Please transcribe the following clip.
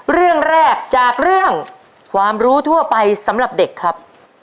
เรื่องแรกจากเรื่องความรู้ทั่วไปสำหรับเด็กครับ